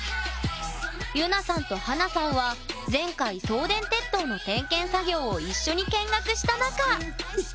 ゆなさんと華さんは前回送電鉄塔の点検作業を一緒に見学した仲。